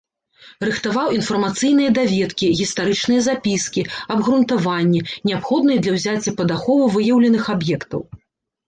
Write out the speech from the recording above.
Рыхтаваў інфармацыйныя даведкі, гістарычныя запіскі, абгрунтаванні, неабходныя для ўзяцця пад ахову выяўленых аб'ектаў.